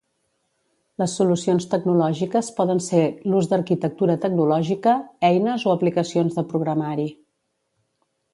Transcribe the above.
Les solucions tecnològiques poden ser l'ús d'arquitectura tecnològica, eines o aplicacions de programari.